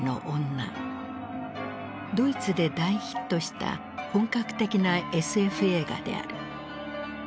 ドイツで大ヒットした本格的なＳＦ映画である。